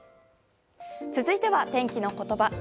続いては、天気のことば。